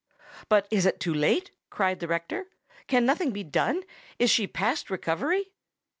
"But is it too late?" cried the rector: "can nothing be done? Is she past recovery?"